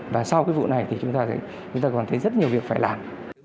và sau vụ này chúng ta còn thấy rất nhiều việc phải làm